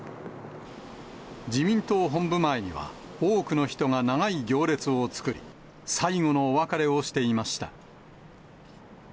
自民党本部前には、多くの人が長い行列を作り、最後のお別れをしていました。